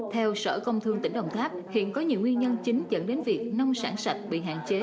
theo sở công thương tp hcm hiện có nhiều nguyên nhân chính dẫn đến việc nông sản sạch bị hạn chế